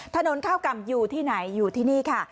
ถนนข้าวก่ำอยู่ที่ไหนอยู่ที่นี่ค่ะ